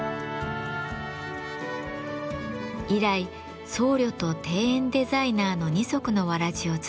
以来僧侶と庭園デザイナーの二足のわらじを続けています。